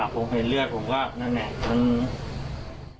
ผมเห็นเลือดผมก็นั่นแหละ